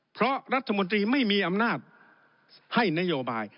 เพราะรัฐมนตรีไม่มีอำนาจให้นโยบาย